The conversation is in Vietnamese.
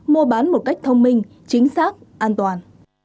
mua bán một cách thông minh chính xác an toàn